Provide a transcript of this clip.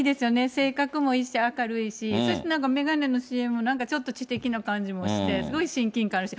性格もいいし、明るいし、そしてなんか眼鏡のＣＭも、なんかちょっと知的な感じもして、すごい親近感あるし。